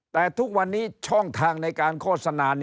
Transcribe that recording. แต่ทุกวันนี้ช่องทางในการโฆษณา